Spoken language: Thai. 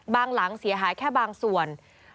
หลังเสียหายแค่บางส่วน